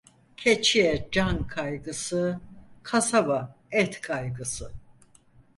Keçiye can kaygısı, kasaba et kaygısı.